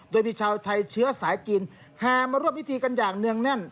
โดยมีชาวไทยเชื้อสายกินแห่มาร่วมพิธีกันอย่างเนื่องแน่น